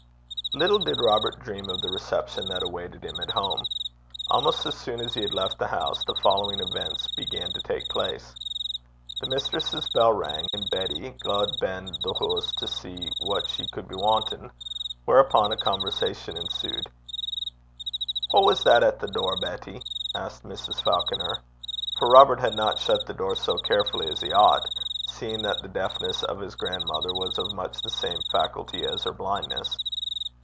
Little did Robert dream of the reception that awaited him at home. Almost as soon as he had left the house, the following events began to take place. The mistress's bell rang, and Betty 'gaed benn the hoose to see what she cud be wantin',' whereupon a conversation ensued. 'Wha was that at the door, Betty?' asked Mrs. Falconer; for Robert had not shut the door so carefully as he ought, seeing that the deafness of his grandmother was of much the same faculty as her blindness.